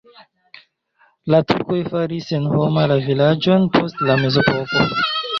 La turkoj faris senhoma la vilaĝon post la mezepoko.